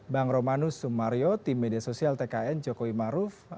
bang romanus sumario tim media sosial tkn joko imaruf